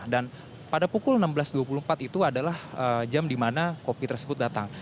dan pada pukul enam belas dua puluh empat itu adalah jam di mana kopi tersebut datang